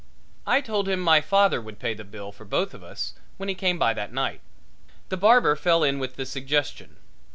I told him my father would pay the bill for both of us when he came by that night. The barber fell in with the suggestion.